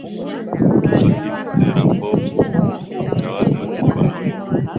Kiswahili Sera mbovu za Utawala wa Kikoloni